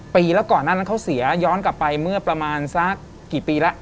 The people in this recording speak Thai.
ปีแล้วก่อนหน้านั้นเขาเสียย้อนกลับไปเมื่อประมาณสักกี่ปีแล้ว